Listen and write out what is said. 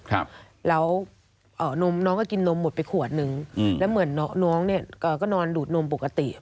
แล้วน้องก็กินนมหมดไปขวดนึงแล้วเหมือนน้องเนี่ยก็นอนดูดนมปกติ